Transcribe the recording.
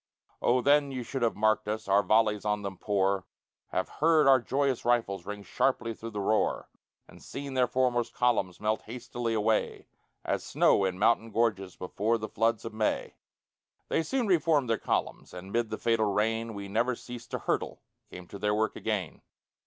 Oh! then you should have marked us Our volleys on them pour Have heard our joyous rifles Ring sharply through the roar, And seen their foremost columns Melt hastily away As snow in mountain gorges Before the floods of May. They soon re formed their columns, And, mid the fatal rain We never ceased to hurtle, Came to their work again.